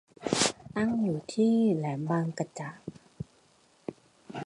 ตั้งอยู่ที่แหลมบางกะจะ